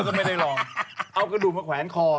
ก็ไม่ได้ลองเอากระดูกมาแขวนคอ